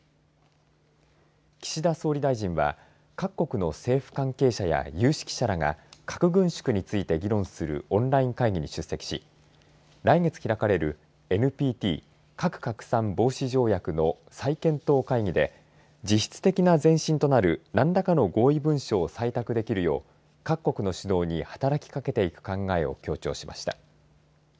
岸田総理大臣は各国の政府関係者や有識者らが核軍縮について議論するオンライン会議に出席し来月開かれる、ＮＰＴ核拡散防止条約の再検討会議で実質的な前進となる何らかの合意文書を採択できるよう各国の首脳に働きかけていく考えを強調しました。